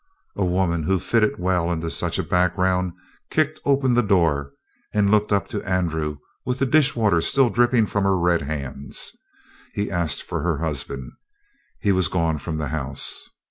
A woman who fitted well into such a background kicked open the door and looked up to Andrew with the dishwater still dripping from her red hands. He asked for her husband. He was gone from the house.